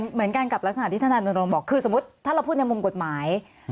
เหมือนกันกับลักษณะที่ท่านอาณุนโรมบอกคือสมมติถ้าเราพูดในมุมกฎหมาย